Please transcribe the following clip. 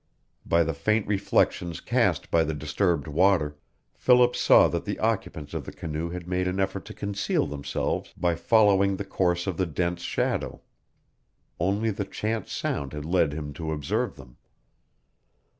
By the faint reflections cast by the disturbed water, Philip saw that the occupants of the canoe had made an effort to conceal themselves by following the course of the dense shadow. Only the chance sound had led him to observe them.